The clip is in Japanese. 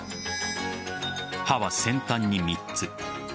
刃は先端に３つ。